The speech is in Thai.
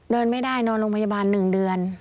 เดินไม่ได้นอนโรงพยาบาล๑เดือน